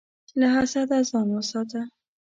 له حسده ځان وساته.